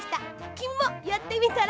きみもやってみたら？